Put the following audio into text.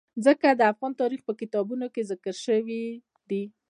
ځمکه د افغان تاریخ په کتابونو کې ذکر شوی دي.